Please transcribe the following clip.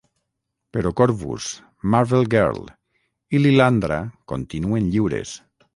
Però Korvus, Marvel Girl i Lilandra continuen lliures.